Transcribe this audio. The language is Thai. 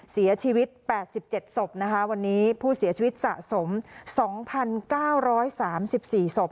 เสียชีวิต๘๗ศพนะคะวันนี้ผู้เสียชีวิตสะสม๒๙๓๔ศพ